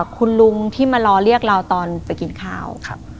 คุณลุงที่มารอเรียกเราตอนไปกินข้าว